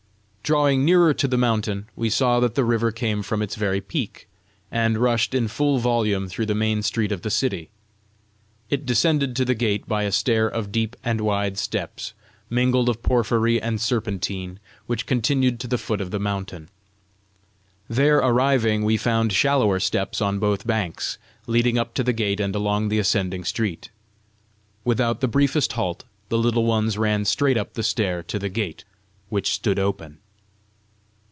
Drawing nearer to the mountain, we saw that the river came from its very peak, and rushed in full volume through the main street of the city. It descended to the gate by a stair of deep and wide steps, mingled of porphyry and serpentine, which continued to the foot of the mountain. There arriving we found shallower steps on both banks, leading up to the gate, and along the ascending street. Without the briefest halt, the Little Ones ran straight up the stair to the gate, which stood open.